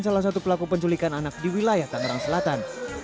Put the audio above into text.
salah satu pelaku penculikan anak di wilayah tangerang selatan